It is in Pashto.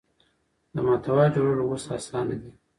د محتوا جوړول اوس اسانه دي.